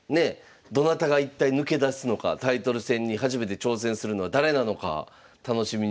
どなたが一体抜け出すのかタイトル戦に初めて挑戦するのは誰なのか楽しみにしたいと思います。